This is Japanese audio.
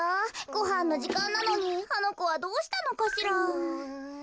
ごはんのじかんなのにあのこはどうしたのかしら？